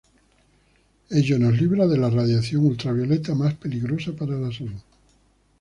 Ello nos libra de la radiación ultravioleta más peligrosa para la salud.